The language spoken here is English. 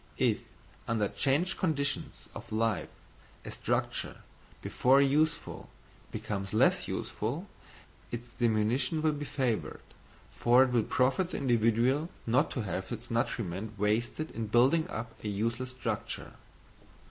If under changed conditions of life a structure, before useful, becomes less useful, its diminution will be favoured, for it will profit the individual not to have its nutriment wasted in building up a useless structure.